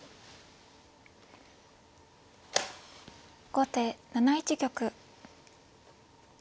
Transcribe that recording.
後手７一玉。